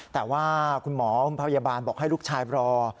แต่ว่าคุณหมอคุณพยาบาลบอกให้ลูกชายรอ